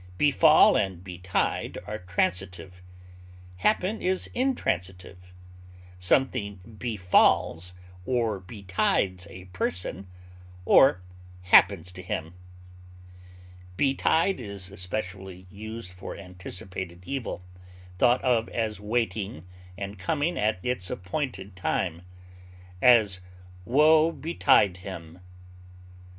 Befall and betide are transitive; happen is intransitive; something befalls or betides a person or happens to him. Betide is especially used for anticipated evil, thought of as waiting and coming at its appointed time; as, wo betide him!